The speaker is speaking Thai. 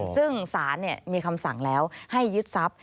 ซึ่งสารมีคำสั่งแล้วให้ยึดทรัพย